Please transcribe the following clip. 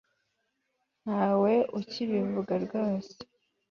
ntawe ukibivuga ryose